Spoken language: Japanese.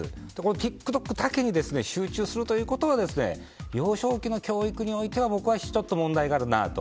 ＴｉｋＴｏｋだけに集中することは幼少期の教育においては僕は１つ問題があるなと。